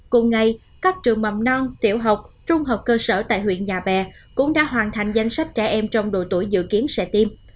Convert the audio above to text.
cùng ngày các trường mầm non tiểu học trung học cơ sở tại huyện nhà bè cũng đã hoàn thành danh sách trẻ em trong độ tuổi dự kiến sẽ tiêm